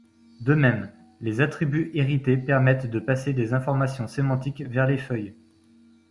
De même, les attributs hérités permettent de passer des informations sémantiques vers les feuilles.